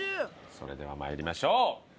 それでは参りましょう。